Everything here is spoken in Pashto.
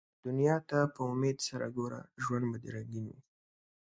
دنیا ته په امېد سره ګوره ، ژوند به دي رنګین وي